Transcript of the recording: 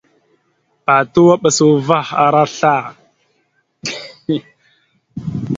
Patu aɓas uvah ara sla.